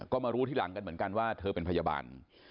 ก็มารู้ทีหลังกันเหมือนกันว่าเธอเป็นพยาบาล